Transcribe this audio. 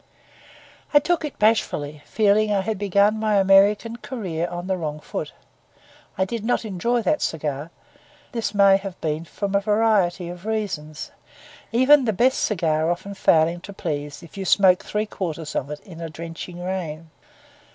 I took it bashfully, feeling I had begun my American career on the wrong foot. I did not enjoy that cigar; but this may have been from a variety of reasons, even the best cigar often failing to please if you smoke three quarters of it in a drenching rain.